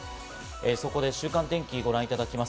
そこで週間天気、ご覧いただきます。